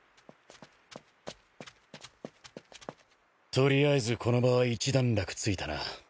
取りあえずこの場は一段落ついたな。